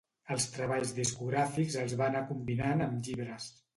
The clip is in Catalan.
Els treballs discogràfics els va anar combinant amb llibres.